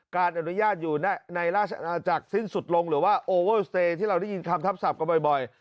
การอนุญาตอยู่ในราชาจากสิ้นสุดลงหรือว่าที่เราได้ยินคำทับสับกันบ่อยบ่อย